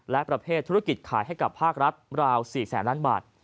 และประเภทธุรกิจขายให้กับภาครัฐราว๔แสนล้านบาท